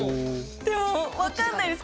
でも分かんないです。